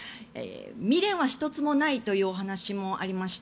未練は一つもないというお話もありました。